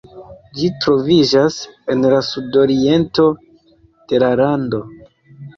Ĝi troviĝas en la sudoriento de la lando.